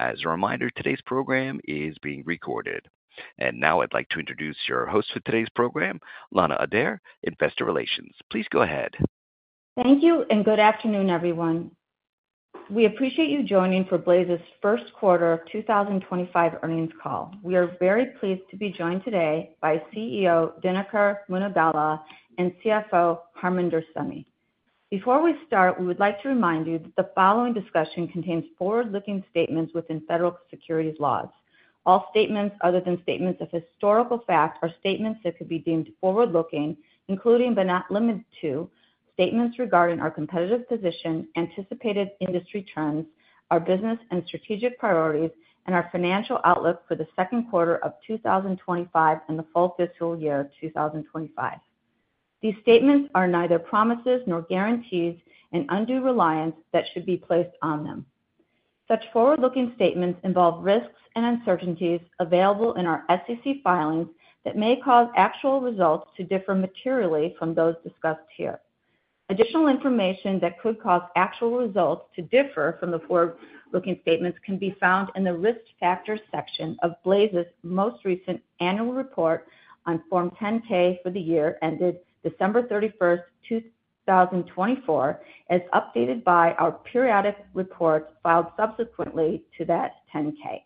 As a reminder, today's program is being recorded. I would now like to introduce your host for today's program, Lana Adair, Investor Relations. Please go ahead. Thank you and good afternoon, everyone. We appreciate you joining for Blaize's first quarter 2025 earnings call. We are very pleased to be joined today by CEO Dinakar Munagala and CFO Harminder Sehmi. Before we start, we would like to remind you that the following discussion contains forward-looking statements within federal securities laws. All statements other than statements of historical fact are statements that could be deemed forward-looking, including but not limited to statements regarding our competitive position, anticipated industry trends, our business and strategic priorities, and our financial outlook for the second quarter of 2025 and the full fiscal year 2025. These statements are neither promises nor guarantees and undue reliance should not be placed on them. Such forward-looking statements involve risks and uncertainties available in our SEC filings that may cause actual results to differ materially from those discussed here. Additional information that could cause actual results to differ from the forward-looking statements can be found in the risk factors section of Blaize's most recent annual report on Form 10-K for the year ended December 31st 2024, as updated by our periodic report filed subsequently to that 10-K.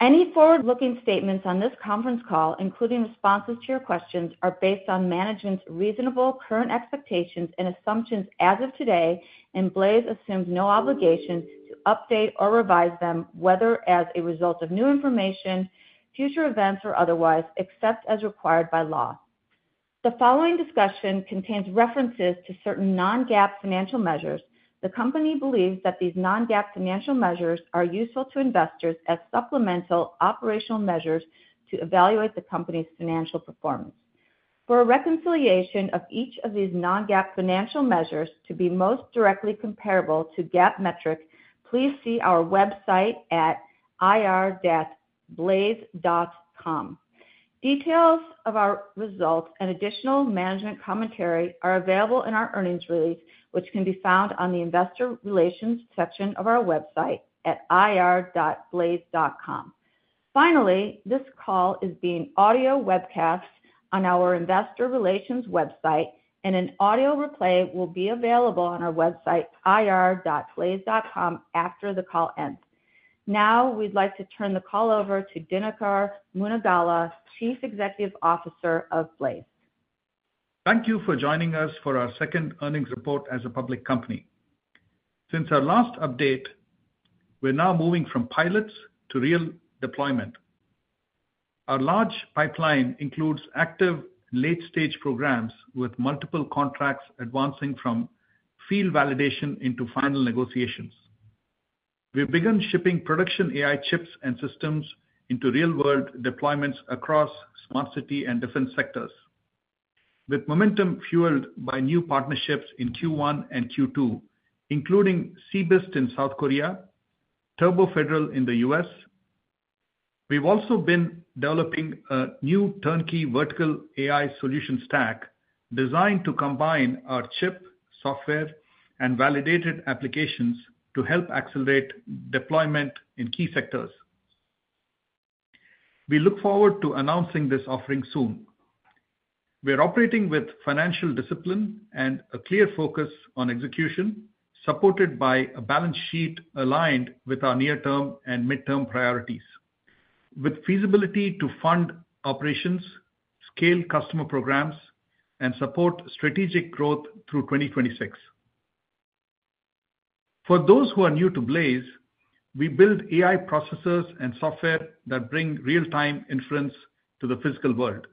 Any forward-looking statements on this conference call, including responses to your questions, are based on management's reasonable current expectations and assumptions as of today, and Blaize assumes no obligation to update or revise them, whether as a result of new information, future events, or otherwise, except as required by law. The following discussion contains references to certain non-GAAP financial measures. The company believes that these non-GAAP financial measures are useful to investors as supplemental operational measures to evaluate the company's financial performance. For a reconciliation of each of these non-GAAP financial measures to be most directly comparable to GAAP metrics, please see our website at ir.blaize.com. Details of our results and additional management commentary are available in our earnings release, which can be found on the Investor Relations section of our website at ir.blaize.com. Finally, this call is being audio webcast on our Investor Relations website, and an audio replay will be available on our website ir.blaize.com after the call ends. Now we'd like to turn the call over to Dinakar Munagala, Chief Executive Officer of Blaize. Thank you for joining us for our second earnings report as a public company. Since our last update, we're now moving from pilots to real deployment. Our large pipeline includes active late-stage programs with multiple contracts advancing from field validation into final negotiations. We've begun shipping production AI chips and systems into real-world deployments across smart city and defense sectors. With momentum fueled by new partnerships in Q1 and Q2, including CBIST in South Korea and Turbo Federal in the US, we've also been developing a new turnkey vertical AI solution stack designed to combine our chip software and validated applications to help accelerate deployment in key sectors. We look forward to announcing this offering soon. We're operating with financial discipline and a clear focus on execution, supported by a balance sheet aligned with our near-term and mid-term priorities, with feasibility to fund operations, scale customer programs, and support strategic growth through 2026. For those who are new to Blaize, we build AI processors and software that bring real-time inference to the physical world,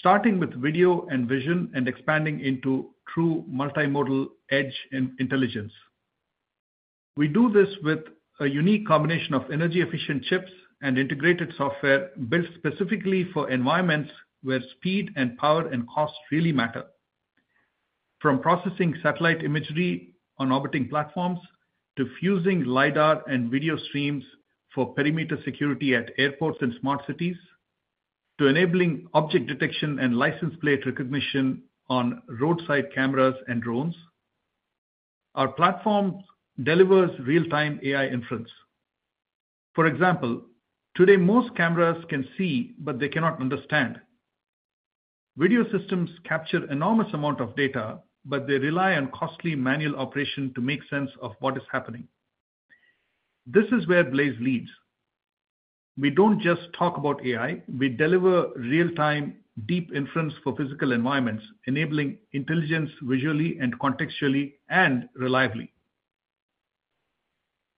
starting with video and vision and expanding into true multimodal edge intelligence. We do this with a unique combination of energy-efficient chips and integrated software built specifically for environments where speed and power and cost really matter. From processing satellite imagery on orbiting platforms to fusing LiDAR and video streams for perimeter security at airports and smart cities, to enabling object detection and license plate recognition on roadside cameras and drones, our platform delivers real-time AI inference. For example, today most cameras can see, but they cannot understand. Video systems capture an enormous amount of data, but they rely on costly manual operation to make sense of what is happening. This is where Blaize leads. We don't just talk about AI; we deliver real-time deep inference for physical environments, enabling intelligence visually and contextually and reliably.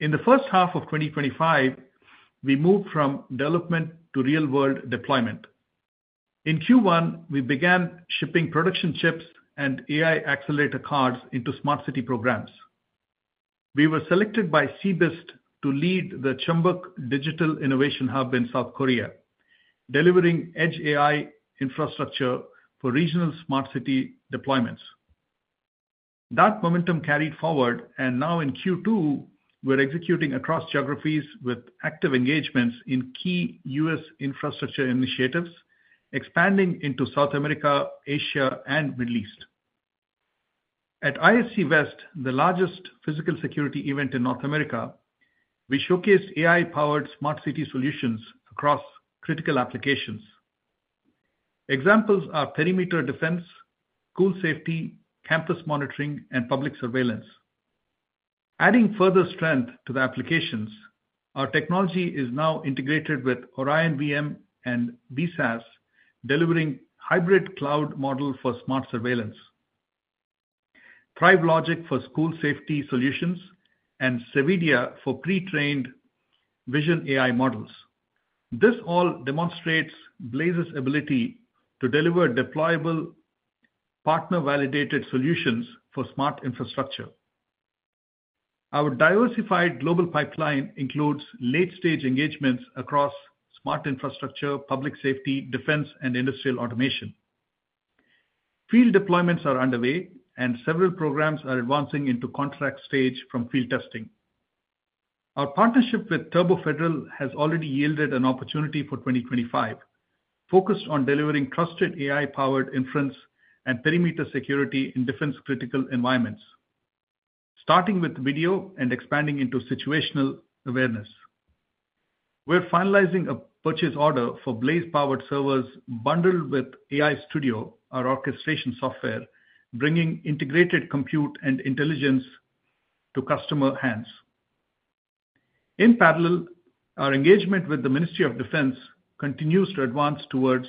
In the first half of 2025, we moved from development to real-world deployment. In Q1, we began shipping production chips and AI accelerator cards into smart city programs. We were selected by CBIST to lead the Chungbuk Digital Innovation Hub in South Korea, delivering edge AI infrastructure for regional smart city deployments. That momentum carried forward, and now in Q2, we're executing across geographies with active engagements in key US infrastructure initiatives, expanding into South America, Asia, and the Middle East. At ISC West, the largest physical security event in North America, we showcased AI-powered smart city solutions across critical applications. Examples are perimeter defense, school safety, campus monitoring, and public surveillance. Adding further strength to the applications, our technology is now integrated with OrionVM and VSaaS, delivering a hybrid cloud model for smart surveillance, Thrive Logic for school safety solutions, and CVEDIA for pre-trained vision AI models. This all demonstrates Blaize's ability to deliver deployable partner-validated solutions for smart infrastructure. Our diversified global pipeline includes late-stage engagements across smart infrastructure, public safety, defense, and industrial automation. Field deployments are underway, and several programs are advancing into contract stage from field testing. Our partnership with Turbo Federal has already yielded an opportunity for 2025, focused on delivering trusted AI-powered inference and perimeter security in defense-critical environments, starting with video and expanding into situational awareness. We're finalizing a purchase order for Blaize-powered servers bundled with AI Studio, our orchestration software, bringing integrated compute and intelligence to customer hands. In parallel, our engagement with the Ministry of Defense continues to advance towards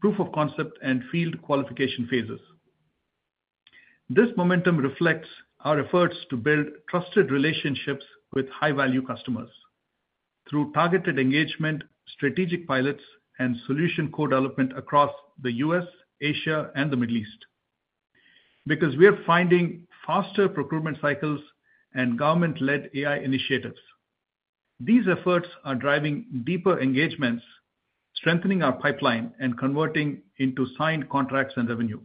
proof of concept and field qualification phases. This momentum reflects our efforts to build trusted relationships with high-value customers through targeted engagement, strategic pilots, and solution co-development across the U.S., Asia, and the Middle East, because we are finding faster procurement cycles and government-led AI initiatives. These efforts are driving deeper engagements, strengthening our pipeline, and converting into signed contracts and revenue.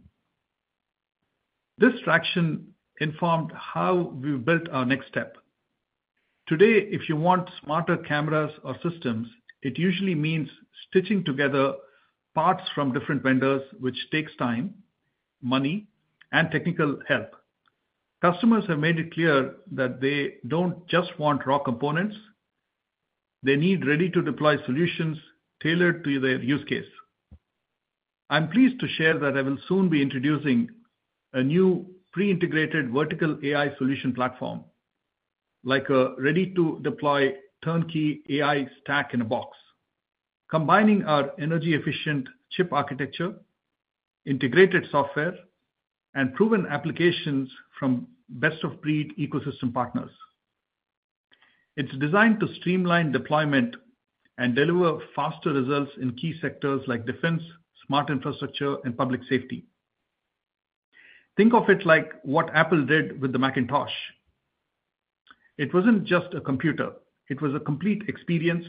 This traction informed how we've built our next step. Today, if you want smarter cameras or systems, it usually means stitching together parts from different vendors, which takes time, money, and technical help. Customers have made it clear that they don't just want raw components; they need ready-to-deploy solutions tailored to their use case. I'm pleased to share that I will soon be introducing a new pre-integrated vertical AI solution platform, like a ready-to-deploy turnkey AI stack in a box, combining our energy-efficient chip architecture, integrated software, and proven applications from best-of-breed ecosystem partners. It's designed to streamline deployment and deliver faster results in key sectors like defense, smart infrastructure, and public safety. Think of it like what Apple did with the Macintosh. It wasn't just a computer; it was a complete experience,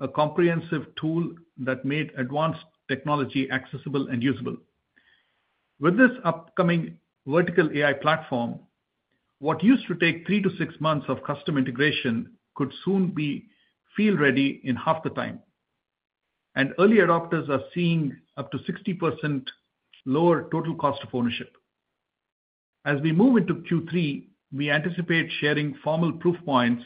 a comprehensive tool that made advanced technology accessible and usable. With this upcoming vertical AI platform, what used to take three to six months of customer integration could soon be field-ready in half the time, and early adopters are seeing up to 60% lower total cost of ownership. As we move into Q3, we anticipate sharing formal proof points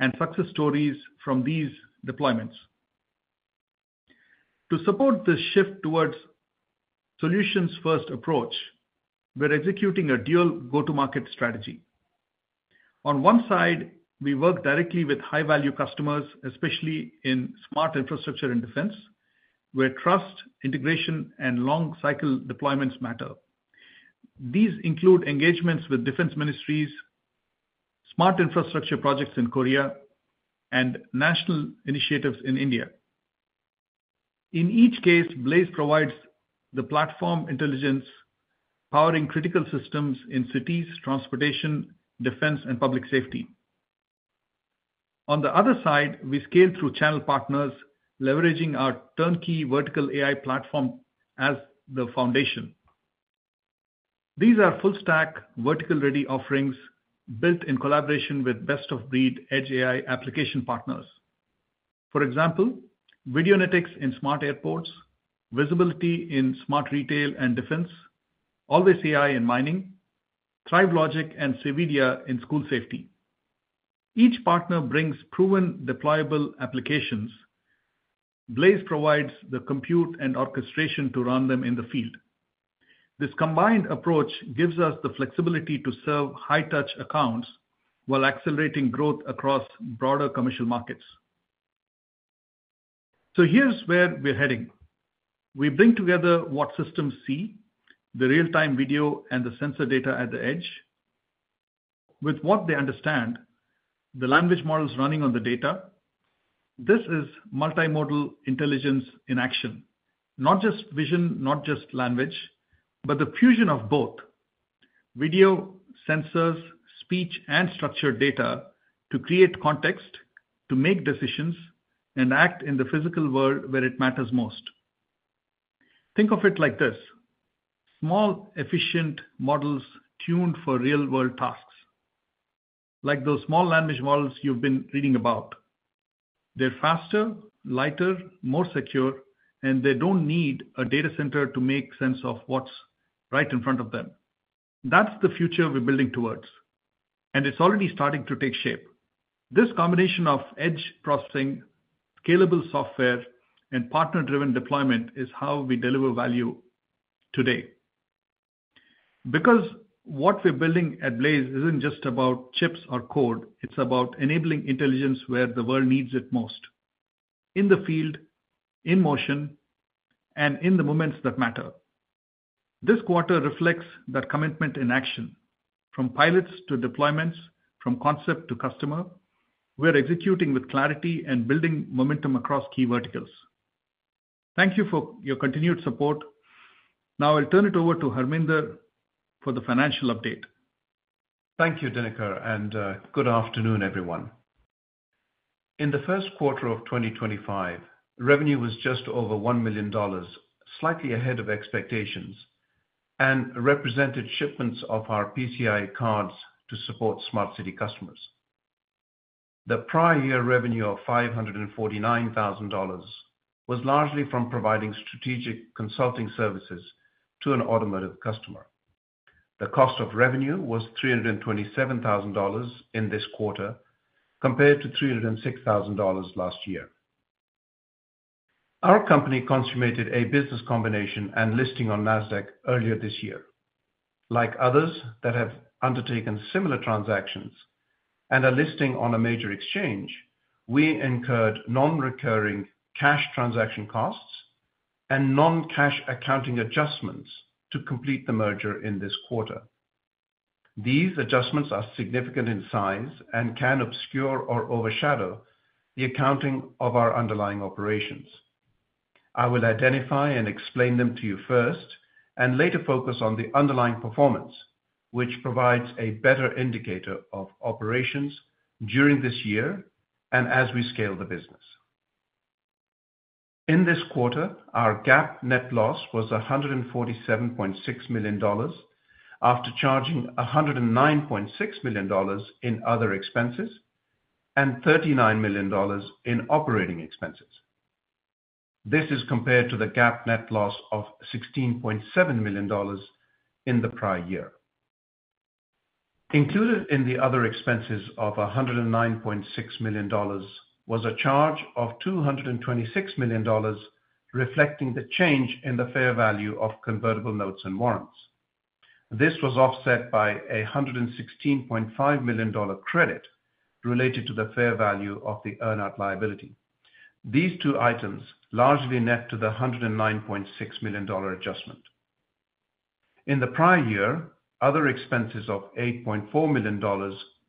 and success stories from these deployments. To support the shift towards a solutions-first approach, we're executing a dual go-to-market strategy. On one side, we work directly with high-value customers, especially in smart infrastructure and defense, where trust, integration, and long-cycle deployments matter. These include engagements with defense ministries, smart infrastructure projects in Korea, and national initiatives in India. In each case, Blaize provides the platform intelligence, powering critical systems in cities, transportation, defense, and public safety. On the other side, we scale through channel partners, leveraging our turnkey vertical AI platform as the foundation. These are full-stack vertical-ready offerings built in collaboration with best-of-breed edge AI application partners. For example, Videonetics in smart airports, Visibility in smart retail and defense, Always AI in mining, Thrive Logic, and CVEDIA in school safety. Each partner brings proven deployable applications; Blaize provides the compute and orchestration to run them in the field. This combined approach gives us the flexibility to serve high-touch accounts while accelerating growth across broader commercial markets. Here is where we're heading. We bring together what systems see: the real-time video and the sensor data at the edge, with what they understand, the language models running on the data. This is multimodal intelligence in action, not just vision, not just language, but the fusion of both: video, sensors, speech, and structured data to create context, to make decisions, and act in the physical world where it matters most. Think of it like this: small, efficient models tuned for real-world tasks, like those small language models you've been reading about. They're faster, lighter, more secure, and they don't need a data center to make sense of what's right in front of them. That is the future we're building towards, and it's already starting to take shape. This combination of edge processing, scalable software, and partner-driven deployment is how we deliver value today, because what we're building at Blaize isn't just about chips or code; it's about enabling intelligence where the world needs it most, in the field, in motion, and in the moments that matter. This quarter reflects that commitment in action. From pilots to deployments, from concept to customer, we're executing with clarity and building momentum across key verticals. Thank you for your continued support. Now I'll turn it over to Harminder for the financial update. Thank you, Dinakar, and good afternoon, everyone. In the first quarter of 2025, revenue was just over $1 million, slightly ahead of expectations, and represented shipments of our PCI cards to support smart city customers. The prior year revenue of $549,000 was largely from providing strategic consulting services to an automotive customer. The cost of revenue was $327,000 in this quarter, compared to $306,000 last year. Our company consummated a business combination and listing on NASDAQ earlier this year. Like others that have undertaken similar transactions and are listing on a major exchange, we incurred non-recurring cash transaction costs and non-cash accounting adjustments to complete the merger in this quarter. These adjustments are significant in size and can obscure or overshadow the accounting of our underlying operations. I will identify and explain them to you first and later focus on the underlying performance, which provides a better indicator of operations during this year and as we scale the business. In this quarter, our GAAP net loss was $147.6 million after charging $109.6 million in other expenses and $39 million in operating expenses. This is compared to the GAAP net loss of $16.7 million in the prior year. Included in the other expenses of $109.6 million was a charge of $226 million, reflecting the change in the fair value of convertible notes and warrants. This was offset by a $116.5 million credit related to the fair value of the earn-out liability. These two items largely net to the $109.6 million adjustment. In the prior year, other expenses of $8.4 million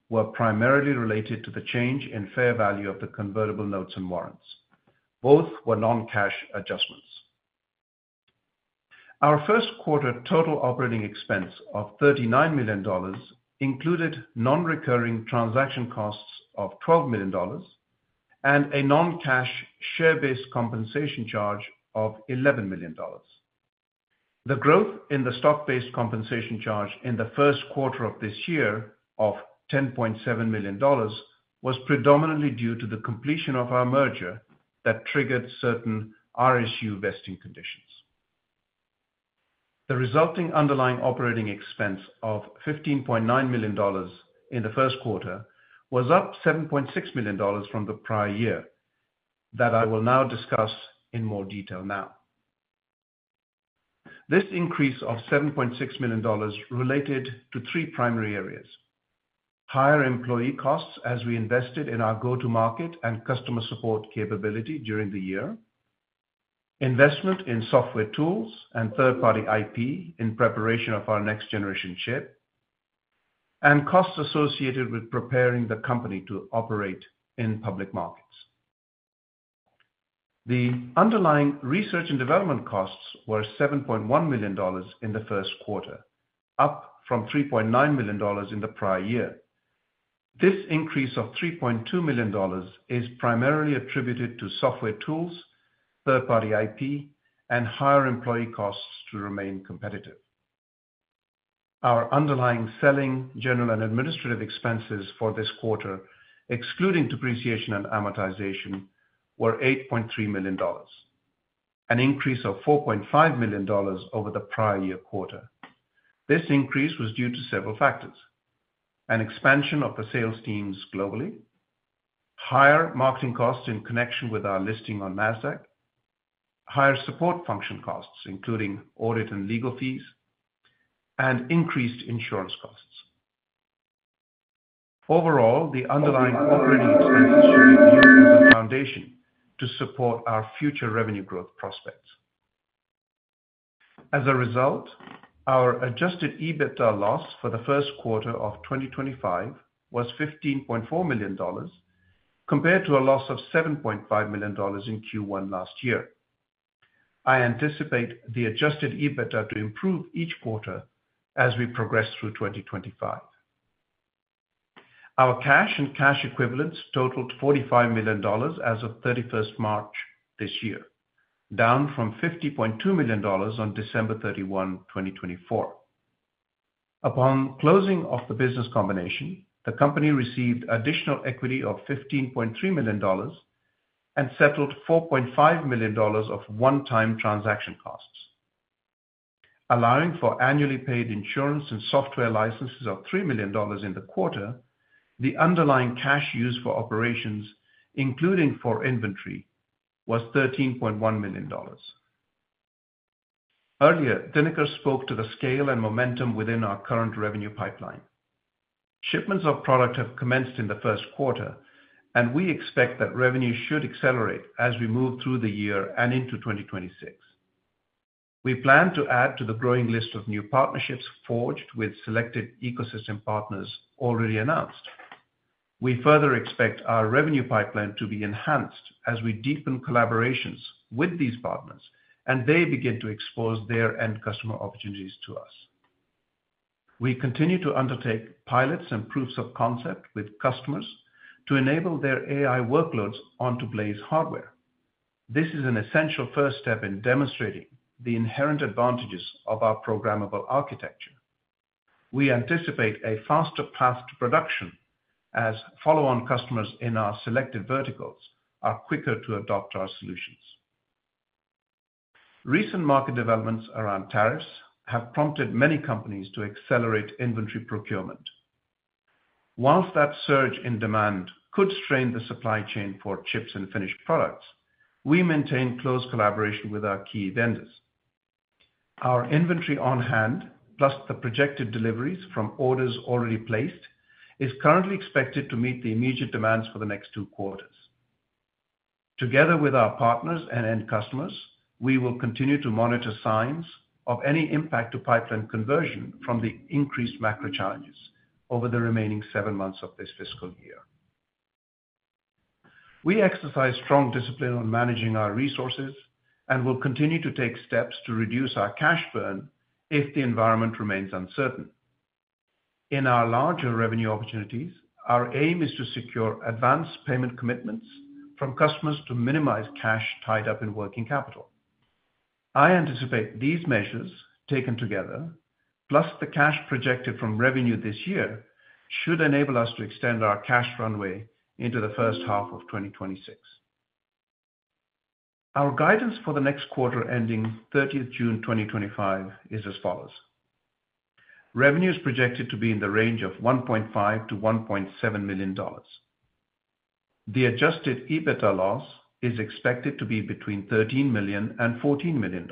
were primarily related to the change in fair value of the convertible notes and warrants. Both were non-cash adjustments. Our first quarter total operating expense of $39 million included non-recurring transaction costs of $12 million and a non-cash share-based compensation charge of $11 million. The growth in the stock-based compensation charge in the first quarter of this year of $10.7 million was predominantly due to the completion of our merger that triggered certain RSU vesting conditions. The resulting underlying operating expense of $15.9 million in the first quarter was up $7.6 million from the prior year that I will now discuss in more detail now. This increase of $7.6 million related to three primary areas: higher employee costs as we invested in our go-to-market and customer support capability during the year, investment in software tools and third-party IP in preparation of our next-generation chip, and costs associated with preparing the company to operate in public markets. The underlying research and development costs were $7.1 million in the first quarter, up from $3.9 million in the prior year. This increase of $3.2 million is primarily attributed to software tools, third-party IP, and higher employee costs to remain competitive. Our underlying selling, general, and administrative expenses for this quarter, excluding depreciation and amortization, were $8.3 million, an increase of $4.5 million over the prior year quarter. This increase was due to several factors: an expansion of the sales teams globally, higher marketing costs in connection with our listing on NASDAQ, higher support function costs, including audit and legal fees, and increased insurance costs. Overall, the underlying operating expenses showed a new foundation to support our future revenue growth prospects. As a result, our adjusted EBITDA loss for the first quarter of 2025 was $15.4 million, compared to a loss of $7.5 million in Q1 last year. I anticipate the adjusted EBITDA to improve each quarter as we progress through 2025. Our cash and cash equivalents totaled $45 million as of 31st March this year, down from $50.2 million on December 31, 2024. Upon closing of the business combination, the company received additional equity of $15.3 million and settled $4.5 million of one-time transaction costs. Allowing for annually paid insurance and software licenses of $3 million in the quarter, the underlying cash used for operations, including for inventory, was $13.1 million. Earlier, Dinakar spoke to the scale and momentum within our current revenue pipeline. Shipments of product have commenced in the first quarter, and we expect that revenue should accelerate as we move through the year and into 2026. We plan to add to the growing list of new partnerships forged with selected ecosystem partners already announced. We further expect our revenue pipeline to be enhanced as we deepen collaborations with these partners and they begin to expose their end customer opportunities to us. We continue to undertake pilots and proofs of concept with customers to enable their AI workloads onto Blaize hardware. This is an essential first step in demonstrating the inherent advantages of our programmable architecture. We anticipate a faster path to production as follow-on customers in our selected verticals are quicker to adopt our solutions. Recent market developments around tariffs have prompted many companies to accelerate inventory procurement. Whilst that surge in demand could strain the supply chain for chips and finished products, we maintain close collaboration with our key vendors. Our inventory on hand, plus the projected deliveries from orders already placed, is currently expected to meet the immediate demands for the next two quarters. Together with our partners and end customers, we will continue to monitor signs of any impact to pipeline conversion from the increased macro challenges over the remaining seven months of this fiscal year. We exercise strong discipline on managing our resources and will continue to take steps to reduce our cash burn if the environment remains uncertain. In our larger revenue opportunities, our aim is to secure advanced payment commitments from customers to minimize cash tied up in working capital. I anticipate these measures taken together, plus the cash projected from revenue this year, should enable us to extend our cash runway into the first half of 2026. Our guidance for the next quarter ending 30 June 2025 is as follows: revenues projected to be in the range of $1.5-$1.7 million. The adjusted EBITDA loss is expected to be between $13 million and $14 million.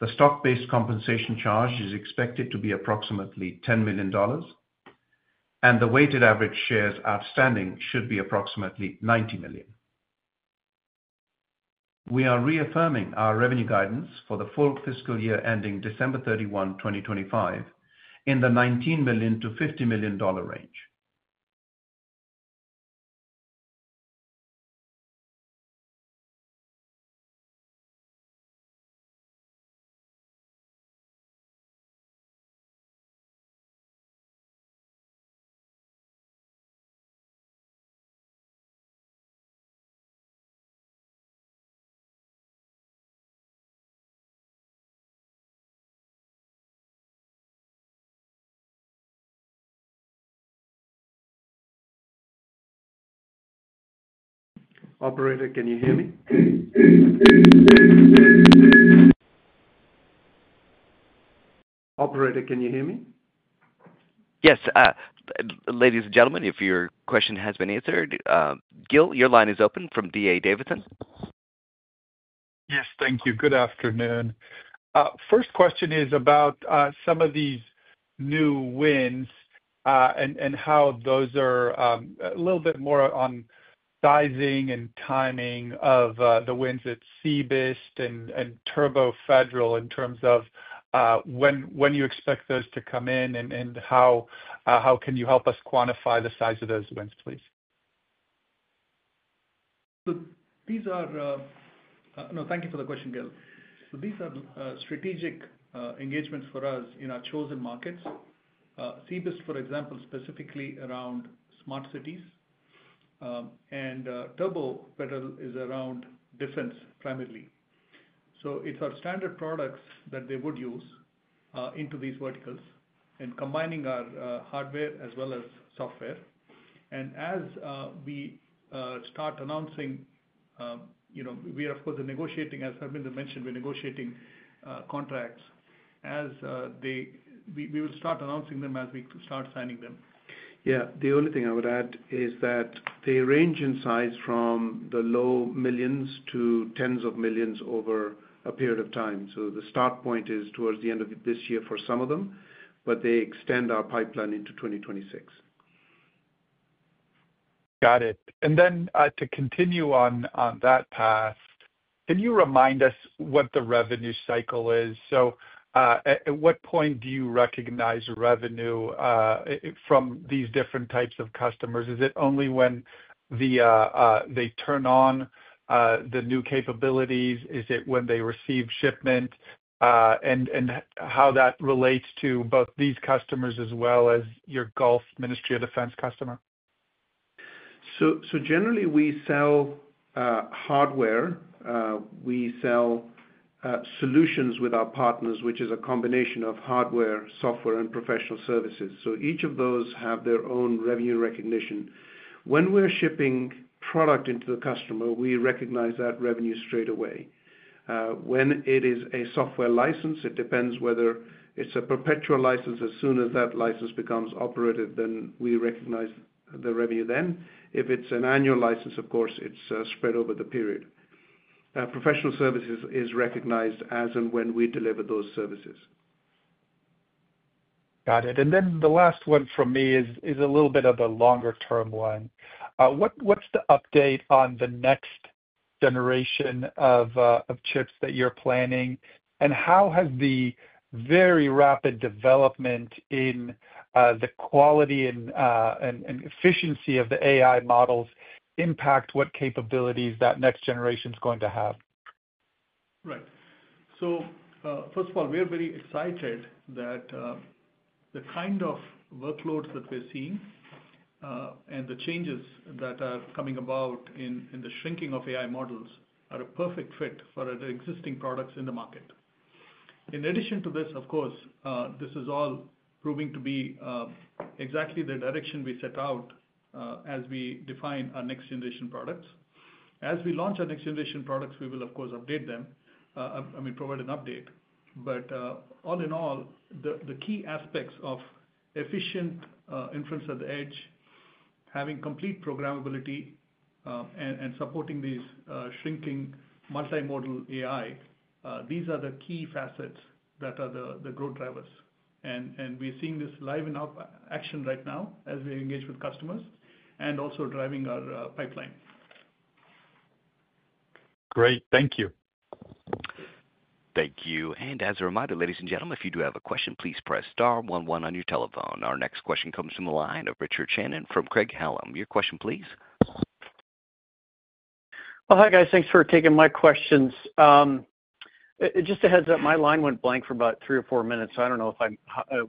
The stock-based compensation charge is expected to be approximately $10 million, and the weighted average shares outstanding should be approximately 90 million. We are reaffirming our revenue guidance for the full fiscal year ending December 31, 2025, in the $19 million-$50 million range. Operator, can you hear me? Yes. Ladies and gentlemen, if your question has been answered, Gil, your line is open from DA Davison. Yes, thank you. Good afternoon. First question is about some of these new wins and how those are a little bit more on sizing and timing of the wins at CBIST and Turbo Federal in terms of when you expect those to come in and how can you help us quantify the size of those wins, please? Thank you for the question, Gil. These are strategic engagements for us in our chosen markets. CBIST, for example, specifically around smart cities, and Turbo Federal is around defense primarily. It is our standard products that they would use into these verticals and combining our hardware as well as software. As we start announcing, we are, of course, negotiating, as Harminder mentioned, we are negotiating contracts as they—we will start announcing them as we start signing them. Yeah. The only thing I would add is that they range in size from the low millions to tens of millions over a period of time. The start point is towards the end of this year for some of them, but they extend our pipeline into 2026. Got it. And then to continue on that path, can you remind us what the revenue cycle is? So at what point do you recognize revenue from these different types of customers? Is it only when they turn on the new capabilities? Is it when they receive shipment? And how that relates to both these customers as well as your Gulf Ministry of Defense customer? Generally, we sell hardware. We sell solutions with our partners, which is a combination of hardware, software, and professional services. Each of those have their own revenue recognition. When we're shipping product into the customer, we recognize that revenue straight away. When it is a software license, it depends whether it's a perpetual license. As soon as that license becomes operative, then we recognize the revenue. If it's an annual license, of course, it's spread over the period. Professional services is recognized as and when we deliver those services. Got it. The last one for me is a little bit of a longer-term one. What's the update on the next generation of chips that you're planning, and how has the very rapid development in the quality and efficiency of the AI models impacted what capabilities that next generation is going to have? Right. First of all, we are very excited that the kind of workloads that we're seeing and the changes that are coming about in the shrinking of AI models are a perfect fit for our existing products in the market. In addition to this, of course, this is all proving to be exactly the direction we set out as we define our next-generation products. As we launch our next-generation products, we will, of course, update them—I mean, provide an update. All in all, the key aspects of efficient inference at the edge, having complete programmability, and supporting these shrinking multimodal AI, these are the key facets that are the growth drivers. We are seeing this live in action right now as we engage with customers and also driving our pipeline. Great. Thank you. Thank you. As a reminder, ladies and gentlemen, if you do have a question, please press star one one on your telephone. Our next question comes from the line of Richard Shannon from Craig-Hallum. Your question, please. Hi guys. Thanks for taking my questions. Just a heads up, my line went blank for about three or four minutes, so I don't know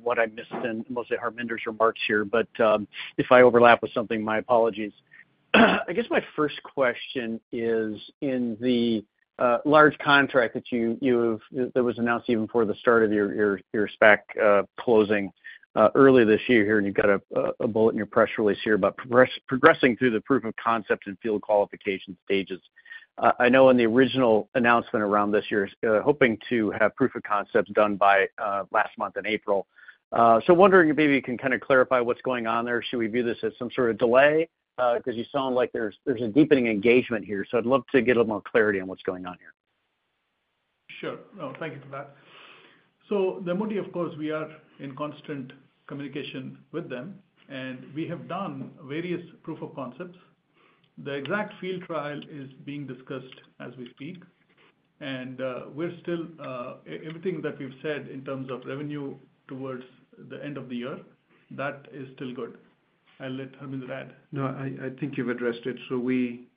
what I missed in mostly Harminder's remarks here, but if I overlap with something, my apologies. I guess my first question is in the large contract that was announced even before the start of your SPAC closing early this year here, and you've got a bullet in your press release here about progressing through the proof of concept and field qualification stages. I know in the original announcement around this year, hoping to have proof of concept done by last month in April. Wondering if maybe you can kind of clarify what's going on there. Should we view this as some sort of delay? Because you sound like there's a deepening engagement here, so I'd love to get a little more clarity on what's going on here. Sure. No, thank you for that. Of course, we are in constant communication with them, and we have done various proof of concepts. The exact field trial is being discussed as we speak, and we're still—everything that we've said in terms of revenue towards the end of the year, that is still good. I'll let Harminder add. No, I think you've addressed it. We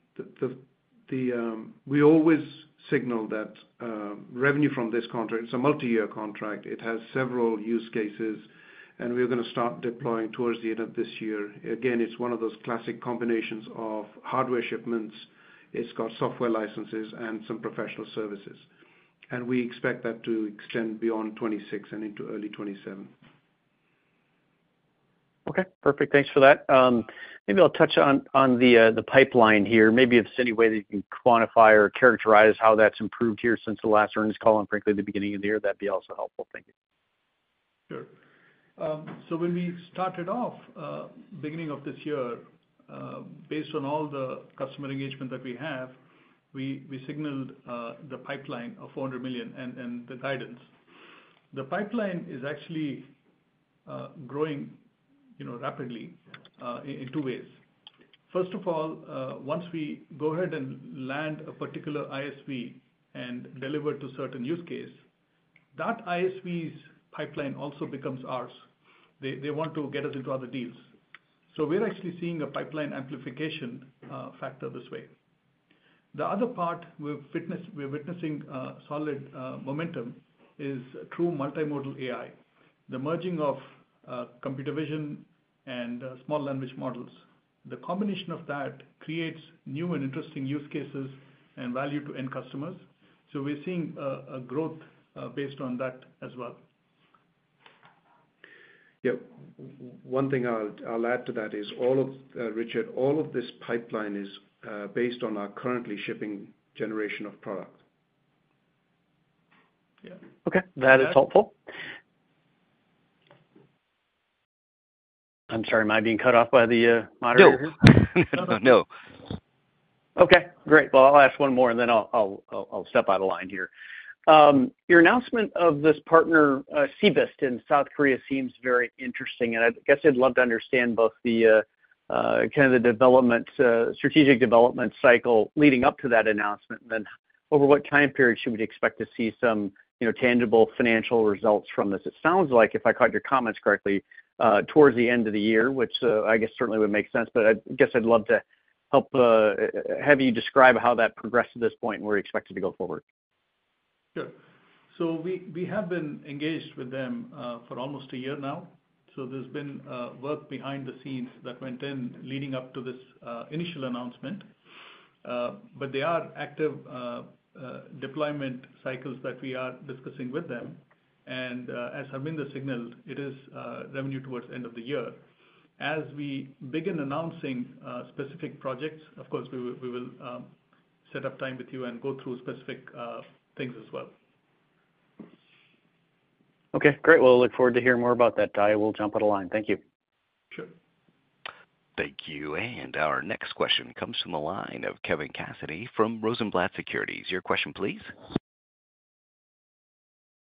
always signal that revenue from this contract, it's a multi-year contract. It has several use cases, and we're going to start deploying towards the end of this year. Again, it's one of those classic combinations of hardware shipments. It's got software licenses and some professional services. We expect that to extend beyond 2026 and into early 2027. Okay. Perfect. Thanks for that. Maybe I'll touch on the pipeline here. Maybe if there's any way that you can quantify or characterize how that's improved here since the last earnings call and frankly the beginning of the year, that'd be also helpful. Thank you. Sure. When we started off, beginning of this year, based on all the customer engagement that we have, we signaled the pipeline of $400 million and the guidance. The pipeline is actually growing rapidly in two ways. First of all, once we go ahead and land a particular ISV and deliver to a certain use case, that ISV's pipeline also becomes ours. They want to get us into other deals. We are actually seeing a pipeline amplification factor this way. The other part we are witnessing solid momentum is true multimodal AI, the merging of computer vision and small language models. The combination of that creates new and interesting use cases and value to end customers. We are seeing a growth based on that as well. Yeah. One thing I'll add to that is all of Richard, all of this pipeline is based on our currently shipping generation of product. Yeah. Okay. That is helpful. I'm sorry, am I being cut off by the monitor here? No. No. Okay. Great. I'll ask one more, and then I'll step out of line here. Your announcement of this partner, CBIST in South Korea, seems very interesting, and I guess I'd love to understand both the kind of the development, strategic development cycle leading up to that announcement, and then over what time period should we expect to see some tangible financial results from this? It sounds like, if I caught your comments correctly, towards the end of the year, which I guess certainly would make sense, but I guess I'd love to have you describe how that progressed to this point and where you expect it to go forward. Sure. We have been engaged with them for almost a year now. There has been work behind the scenes that went in leading up to this initial announcement, but there are active deployment cycles that we are discussing with them. As Harminder signaled, it is revenue towards the end of the year. As we begin announcing specific projects, of course, we will set up time with you and go through specific things as well. Okay. Great. I look forward to hearing more about that. I will jump out of line. Thank you. Sure. Thank you. Our next question comes from the line of Kevin Cassidy from Rosenblatt Securities. Your question, please.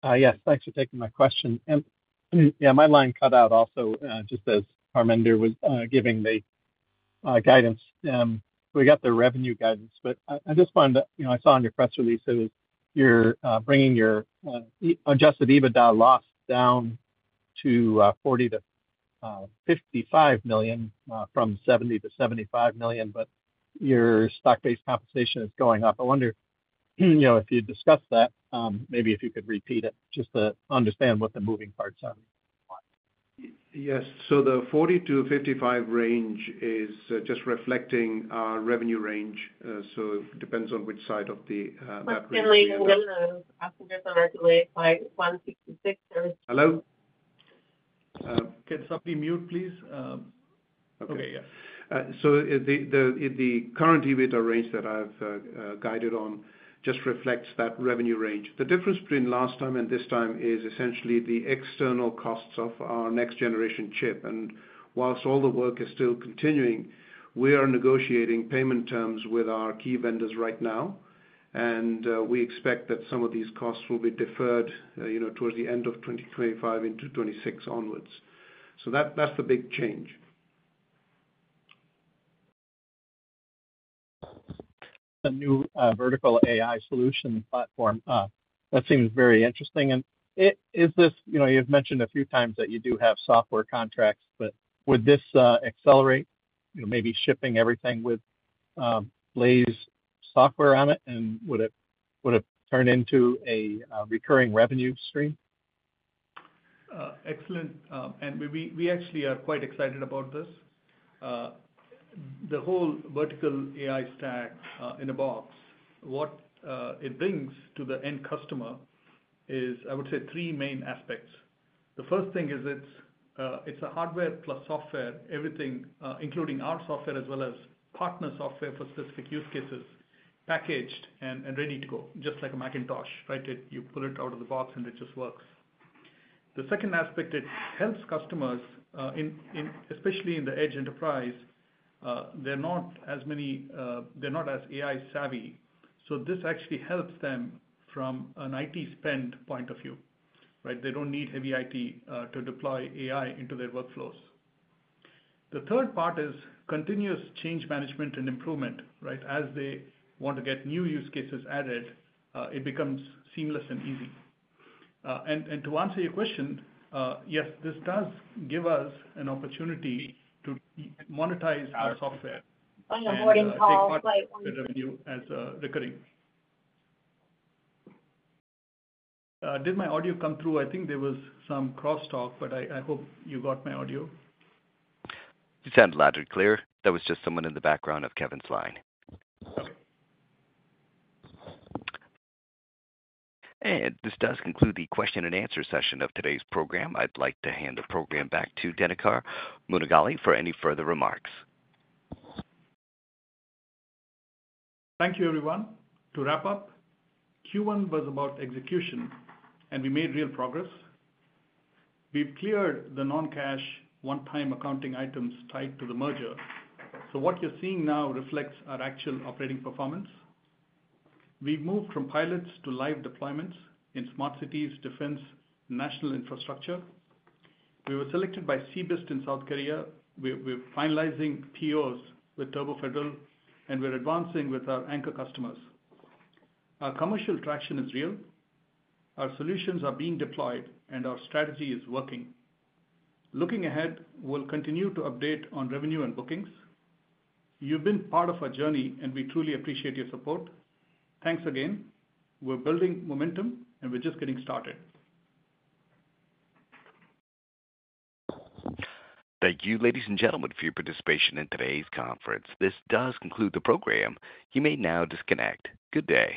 Yes. Thanks for taking my question. Yeah, my line cut out also just as Harminder was giving the guidance. We got the revenue guidance, but I just wanted to—I saw on your press release it was you're bringing your adjusted EBITDA loss down to $40 million-$55 million from $70 million-$75 million, but your stock-based compensation is going up. I wonder if you'd discuss that, maybe if you could repeat it just to understand what the moving parts are. Yes. So the $40-$55 range is just reflecting our revenue range. So it depends on which side of the map we're in. Hi, Ken. I'm just on our delayed flight, 166. Hello? Can somebody mute, please? Okay. Yeah. The current EBITDA range that I've guided on just reflects that revenue range. The difference between last time and this time is essentially the external costs of our next-generation chip. Whilst all the work is still continuing, we are negotiating payment terms with our key vendors right now, and we expect that some of these costs will be deferred towards the end of 2025 into 2026 onwards. That's the big change. A new vertical AI solution platform. That seems very interesting. Is this—you've mentioned a few times that you do have software contracts, but would this accelerate maybe shipping everything with Blaize software on it, and would it turn into a recurring revenue stream? Excellent. We actually are quite excited about this. The whole vertical AI stack in a box, what it brings to the end customer is, I would say, three main aspects. The first thing is it's a hardware plus software, everything, including our software as well as partner software for specific use cases, packaged and ready to go, just like a Macintosh, right? You pull it out of the box and it just works. The second aspect, it helps customers, especially in the edge enterprise. They're not as many—they're not as AI-savvy. This actually helps them from an IT stand point of view, right? They don't need heavy IT to deploy AI into their workflows. The third part is continuous change management and improvement, right? As they want to get new use cases added, it becomes seamless and easy. To answer your question, yes, this does give us an opportunity to monetize our software. On a morning call. The revenue as recurring. Did my audio come through? I think there was some cross-talk, but I hope you got my audio. You sound loud and clear. That was just someone in the background of Kevin's line. Okay. This does conclude the question and answer session of today's program. I'd like to hand the program back to Dinakar Munagala for any further remarks. Thank you, everyone. To wrap up, Q1 was about execution, and we made real progress. We've cleared the non-cash one-time accounting items tied to the merger. What you're seeing now reflects our actual operating performance. We've moved from pilots to live deployments in smart cities, defense, national infrastructure. We were selected by CBIST in South Korea. We're finalizing POs with Turbo Federal, and we're advancing with our anchor customers. Our commercial traction is real. Our solutions are being deployed, and our strategy is working. Looking ahead, we'll continue to update on revenue and bookings. You've been part of our journey, and we truly appreciate your support. Thanks again. We're building momentum, and we're just getting started. Thank you, ladies and gentlemen, for your participation in today's conference. This does conclude the program. You may now disconnect. Good day.